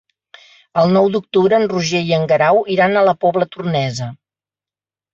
El nou d'octubre en Roger i en Guerau iran a la Pobla Tornesa.